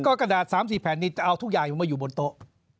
ก็กระดาษ๓๔แผ่นนี่จะเอาทุกอย่างมาอยู่บนโต๊ะ